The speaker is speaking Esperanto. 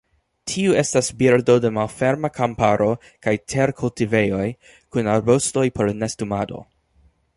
Tiu estas birdo de malferma kamparo kaj terkultivejoj, kun arbustoj por nestumado.